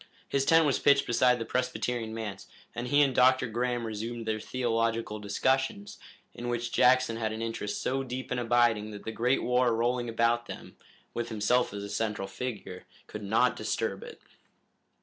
His tent was pitched beside the Presbyterian manse, and he and Dr. Graham resumed their theological discussions, in which Jackson had an interest so deep and abiding that the great war rolling about them, with himself as a central figure, could not disturb it.